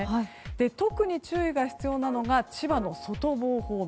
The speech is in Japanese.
特に注意が必要なのが千葉の外房方面。